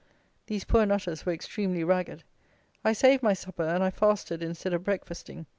These poor nutters were extremely ragged. I saved my supper, and I fasted instead of breakfasting.